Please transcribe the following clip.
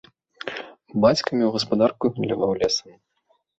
Бацька меў гаспадарку і гандляваў лесам.